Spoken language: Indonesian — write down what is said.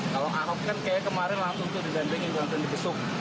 kalau ahok kan kayak kemarin langsung tuh didampingi langsung dipesuk